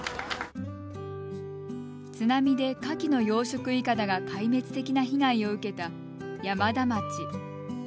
津波で、かきの養殖いかだが壊滅的な被害を受けた山田町。